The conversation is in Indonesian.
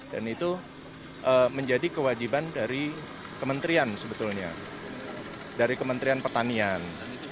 dan itu menjadi kewajiban dari kementerian sebetulnya dari kementerian pertanian